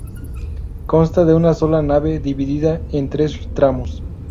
Consta de una sola nave, dividida en tres tramos.